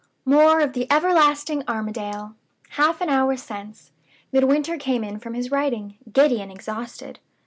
More of the everlasting Armadale! Half an hour since, Midwinter came in from his writing, giddy and exhausted.